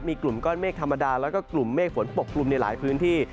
มีกลุ่มก้อนเมฆธรรมดาแล้วก็กลุ่มเมฆฝนปกกลุ่มในหลายพื้นที่